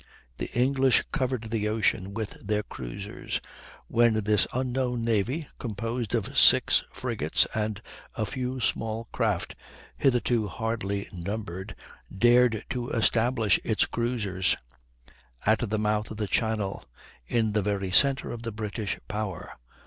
"The English covered the ocean with their cruisers when this unknown navy, composed of six frigates and a few small craft hitherto hardly numbered, dared to establish its cruisers at the mouth of the Channel, in the very centre of the British power.